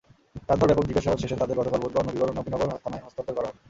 রাতভর ব্যাপক জিজ্ঞাসাবাদ শেষে তাঁদের গতকাল বুধবার নবীনগর থানায় হস্তান্তর করা হয়।